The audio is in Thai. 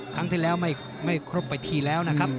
ครั้งที่แล้วไม่ครบไปทีแล้วนะครับ